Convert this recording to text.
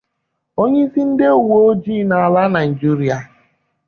Onyeisi ndị uweojii n'ala Nigeria